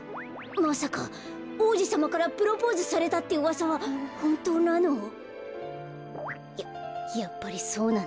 まさかおうじさまからプロポーズされたってうわさはほんとうなの？ややっぱりそうなんだ。